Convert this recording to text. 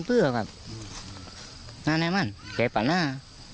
เอาหน่ามั่นแค่ป่านหน้า